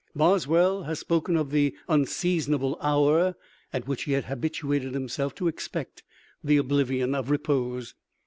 Boswell has spoken of "the unseasonable hour at which he had habituated himself to expect the oblivion of repose."